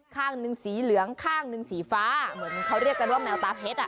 ข้างหนึ่งสีเหลืองข้างหนึ่งสีฟ้าเหมือนเขาเรียกกันว่าแมวตาเพชรอ่ะ